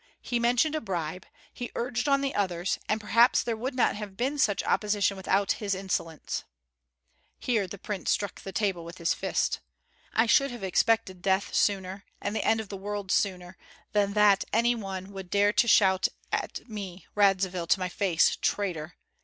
He mentioned a bribe; he urged on the others, and perhaps there would not have been such opposition without his insolence." Here the prince struck the table with his fist. "I should have expected death sooner, and the end of the world sooner, than that any one would dare to shout at me, Radzivill, to my face, 'Traitor!'